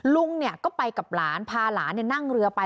ลุงก็ไปกับหลานพาหลานนั่งเรือไป